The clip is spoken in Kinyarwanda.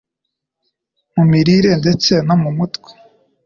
Mu imirire ndetse no mu mutwe. ”